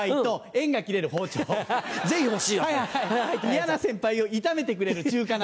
嫌な先輩を炒めてくれる中華鍋。